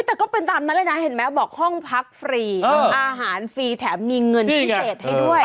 แต่ก็เป็นตามนั้นเลยนะเห็นไหมบอกห้องพักฟรีอาหารฟรีแถมมีเงินพิเศษให้ด้วย